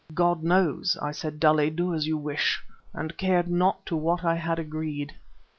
"God knows!" I said dully; "do as you wish" and cared not to what I had agreed.